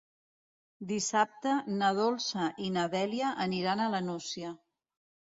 Dissabte na Dolça i na Dèlia aniran a la Nucia.